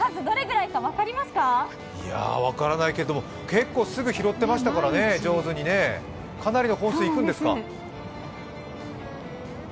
いや、分からないけど結構すぐに上手に拾ってましたからかなりの本数いくんですか？